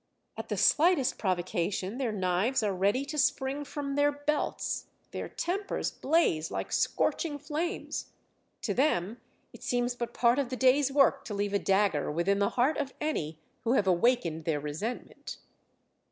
At the slightest provocation their knives are ready to spring from their belts; their tempers blaze like scorching flames; to them it seems but part of the day's work to leave a dagger within the heart of any who have awakened their resentment.